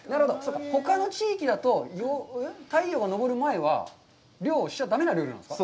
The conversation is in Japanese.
ほかの地域だと、太陽が上る前は漁をしちゃだめなルールなんですか？